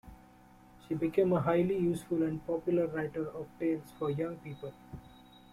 She became a highly useful and popular writer of tales for young people.